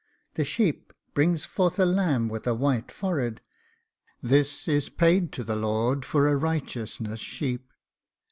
The sheep brings forth a lamb with a white forehead, This is paid to the lord for a RIGHTEOUSNESS SHEEP.